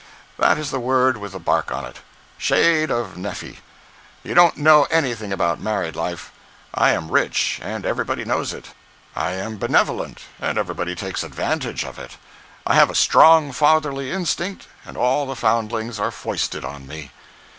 That is the word with the bark on it! Shade of Nephi! You don't know anything about married life. I am rich, and everybody knows it. I am benevolent, and everybody takes advantage of it. I have a strong fatherly instinct and all the foundlings are foisted on me.